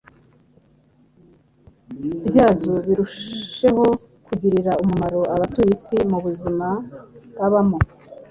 byazo birusheho kugirira umumaro abatuye isi mu buzima babamo?